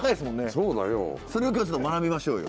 そうだよ。それを今日はちょっと学びましょうよ。